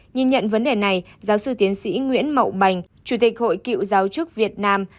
nhìn nhận vấn đề này giáo sư tiến sĩ nguyễn mậu bành chủ tịch hội cựu giáo chức việt nam